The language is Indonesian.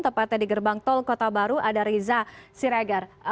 tempatnya di gerbang tol kota baru ada reza siregar